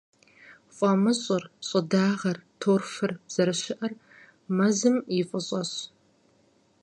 ФӀамыщӀыр, щӀыдагъэр, торфыр зэрыщыӀэр мэзым и фӀыщӀэщ.